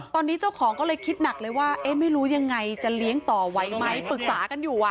ตอนนี้เจ้าของก็เลยคิดหนักเลยว่าเอ๊ะไม่รู้ยังไงจะเลี้ยงต่อไหวไหมปรึกษากันอยู่